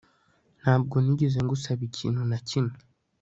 Ntabwo nigeze ngusaba ikintu na kimwe